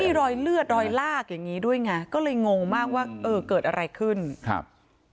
มีรอยเลือดรอยลากอย่างงี้ด้วยไงก็เลยงงมากว่าเออเกิดอะไรขึ้นครับ